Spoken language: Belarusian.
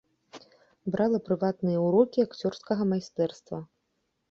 Брала прыватныя ўрокі акцёрскага майстэрства.